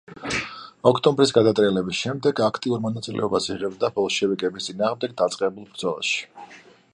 ოქტომბრის გადატრიალების შემდეგ აქტიურ მონაწილეობას იღებდა ბოლშევიკების წინააღმდეგ დაწყებულ ბრძოლაში.